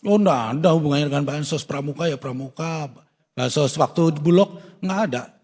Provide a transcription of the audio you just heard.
oh tidak ada hubungannya dengan bansos pramuka ya pramuka bansos waktu bulog nggak ada